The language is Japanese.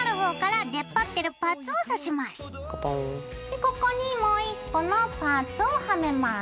でここにもう１個のパーツをはめます。